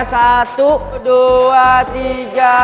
satu dua tiga